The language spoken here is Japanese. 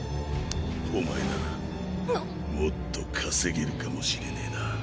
お前ならもっと稼げるかもしれねえな。